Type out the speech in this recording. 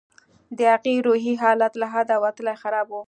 د هغې روحي حالت له حده وتلى خراب و.